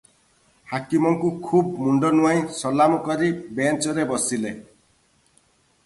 ହାକିମଙ୍କୁ ଖୁବ୍ ମୁଣ୍ଡ ନୁଆଁଇ ସଲାମ କରି ବେଞ୍ଚରେ ବସିଲେ ।